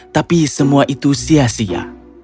tapi semua itu sia sia